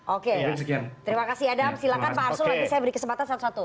oke terima kasih adam silahkan pak arsul nanti saya beri kesempatan satu satu